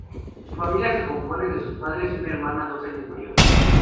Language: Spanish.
Su familia se compone de sus padres y una hermana dos años mayor.